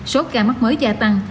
số ca mắc mới gia tăng